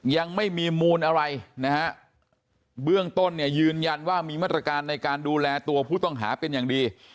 ยังไม่มีมูลอะไรนะฮะเบื้องต้นเนี่ยยืนยันว่ามีมาตรการในการดูแลตัวผู้ต้องหาเป็นอย่างดี